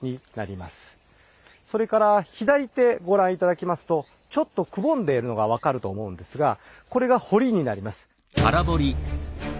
それから左手ご覧頂きますとちょっとくぼんでいるのが分かると思うんですがこれが堀になります。